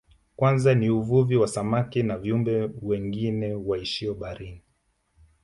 Kwanza ni uvuvi wa samaki na viumbe wengine waishio baharini